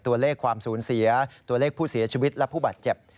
ตัวเลขความสูญเสียตัวเลขผู้เสียชีวิตและผู้บาดเจ็บ